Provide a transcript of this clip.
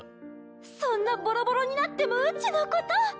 そんなボロボロになってもうちのこと！